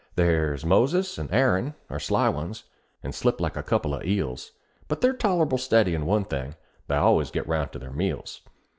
There's Moses and Aaron are sly ones, and slip like a couple of eels; But they're tol'able steady in one thing they al'ays git round to their meals.